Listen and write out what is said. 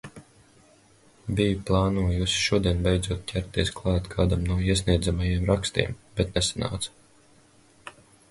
Biju plānojusi šodien beidzot ķerties klāt kādam no iesniedzamajiem rakstiem, bet nesanāca.